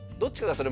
それ